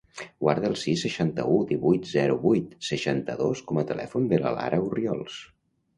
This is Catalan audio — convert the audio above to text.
Guarda el sis, seixanta-u, divuit, zero, vuit, seixanta-dos com a telèfon de la Lara Orriols.